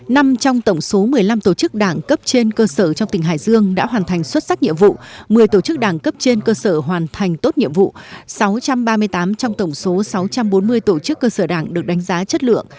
năm trong tổng số một mươi năm tổ chức đảng cấp trên cơ sở trong tỉnh hải dương đã hoàn thành xuất sắc nhiệm vụ một mươi tổ chức đảng cấp trên cơ sở hoàn thành tốt nhiệm vụ sáu trăm ba mươi tám trong tổng số sáu trăm bốn mươi tổ chức cơ sở đảng được đánh giá chất lượng